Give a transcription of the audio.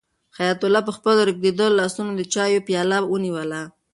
حیات الله په خپلو ریږېدلو لاسونو د چایو پیاله ونیوله.